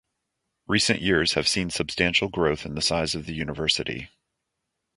Recent years have seen substantial growth in the size of the university.